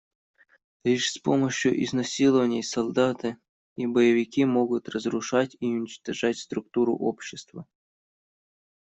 Лишь с помощью изнасилований солдаты и боевики могут разрушать и уничтожать структуру общества.